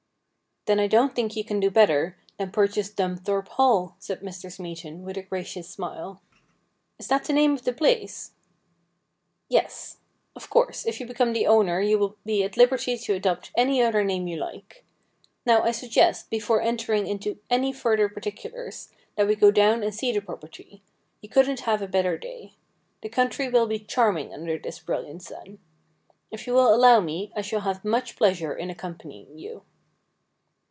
' Then I don't think you can do better than purchase Dumthorpe Hall,' said Mr. Smeaton, with a gracious smile. ' Is that the name of the place ?'' Yes. Of course, if you become the owner you will be at liberty to adopt any other name you like. Now, I suggest, before entering into any further particulars, that we go down and see the property ; you couldn't have a better day. The country will be charming under this brilliant sun. If you will allow me I shall have much pleasure in accompanying you.'